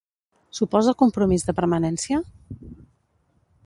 Suposa compromís de permanència?